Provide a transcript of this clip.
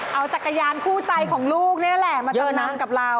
เอาจักรยานคู่ใจของลูกนี่แหละมาจำนำกับเรา